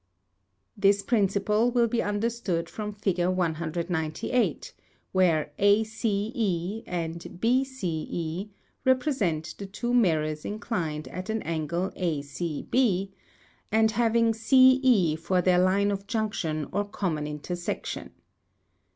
This principle will be under stood from fig. 198., where ACE and B C E re present the two mirrors inclined at an angle A C B, and having C E for their line of junction or common intersection.